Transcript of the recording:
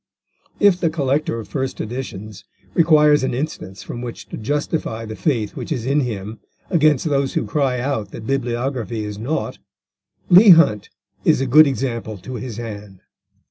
If the collector of first editions requires an instance from which to justify the faith which is in him against those who cry out that bibliography is naught, Leigh Hunt is a good example to his hand.